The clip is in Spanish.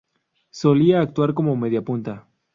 Solía actuar como mediapunta.